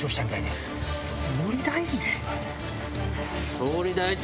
総理大臣？